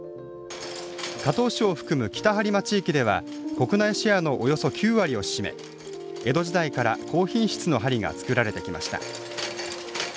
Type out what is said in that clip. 加東市を含む北播磨地域では国内シェアのおよそ９割を占め江戸時代から、高品質の針が作られてきました。